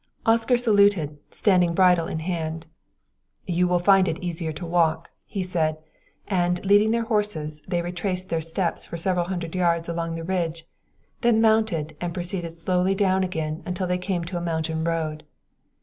Oscar saluted, standing bridle in hand. "You will find it easier to walk," he said, and, leading their horses, they retraced their steps for several hundred yards along the ridge, then mounted and proceeded slowly down again until they came to a mountain road.